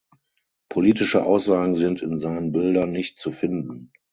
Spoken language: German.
Politische Aussagen sind in seinen Bildern nicht zu finden.